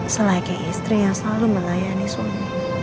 selagi istri yang selalu melayani suami